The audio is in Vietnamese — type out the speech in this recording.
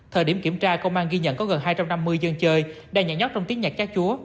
thời điểm kiểm tra công an ghi nhận có gần hai trăm năm mươi dân chơi đàn nhạc nhóc trong tiếng nhạc chát chúa